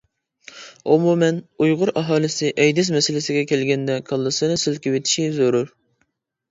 ئومۇمەن، ئۇيغۇر ئاھالىسى ئەيدىز مەسىلىسىگە كەلگەندە كاللىسىنى سىلكىۋېتىشى زۆرۈر.